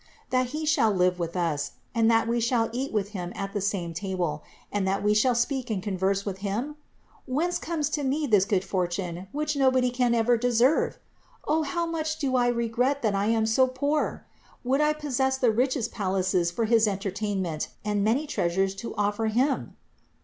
That He shall live with us, and that we shall eat with Him at the same table, and that we shall speak and con verse with Him ? Whence comes to me this good fortune which nobody can ever deserve? O how much do I regret that I am so poor ! Would I possessed the richest palaces for his entertainment and many treasures to offer Him